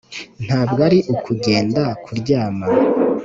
ntabwo ari ukugenda kuryama